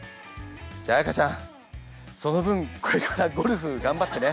じゃあ彩歌ちゃんその分これからゴルフ頑張ってね！